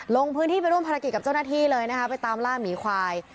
ลงพื้นที่ไปร่วมภารกิจกับเจ้าหน้าที่เลยนะคะไปตามล่าหมีควาย